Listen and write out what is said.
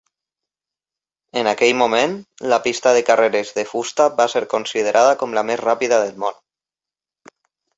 En aquell moment, la pista de carreres de fusta va ser considerada com la més ràpida del món.